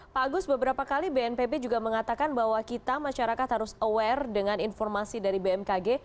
pak agus beberapa kali bnpb juga mengatakan bahwa kita masyarakat harus aware dengan informasi dari bmkg